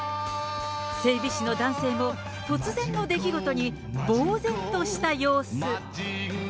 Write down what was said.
整備士の男性も突然の出来事にぼう然とした様子。